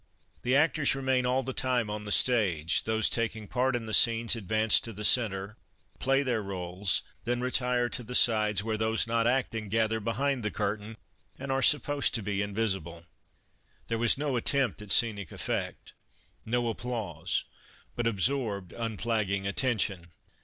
The actors remain all the time on the stage, those taking part in the scenes advance to the center, play their roles, then retire to 79 Christmas Under Three Tlags the sides where those not acting gather behind the curtain and are supposed to be invisible. There was no attempt at scenic effect, no applause, but absorbed, unflagging attention.